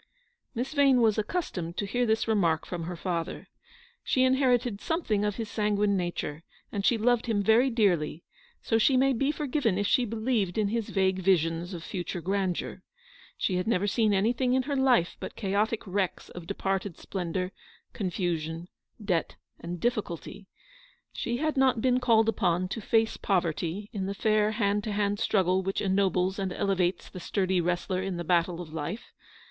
Miss Vane was accustomed to hear this remark from her father. She inherited something of his sanguine nature, and she loved him very dearly, so she may be forgiven if she believed in his vague visions of future grandeur. She had never seen anything in her life but chaotic wrecks of departed splendour, confusion, debt, and diffi culty. She had not been called upon to face poverty in the fair hand to hand struggle which ennobles and elevates the sturdy wrestler in the battle of life.